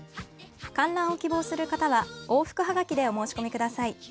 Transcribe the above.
観覧を希望する方は往復はがきでお申し込みください。